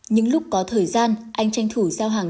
những lúc có thời gian anh tranh thủ giao hàng